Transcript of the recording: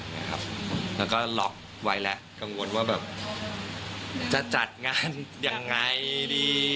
แล้วก็ล็อกไว้แล้วกังวลว่าแบบจะจัดงานยังไงดี